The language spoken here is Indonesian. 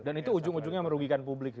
dan itu ujung ujungnya merugikan publik